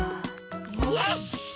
よし！